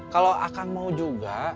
kalo akang mau juga